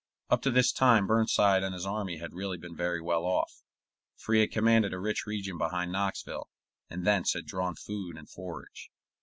Up to this time Burnside and his army had really been very well off, for he had commanded a rich region behind Knoxville, and thence had drawn food and forage.